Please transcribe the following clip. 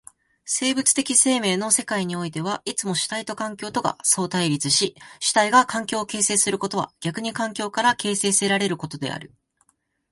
生物的生命の世界においてはいつも主体と環境とが相対立し、主体が環境を形成することは逆に環境から形成せられることである。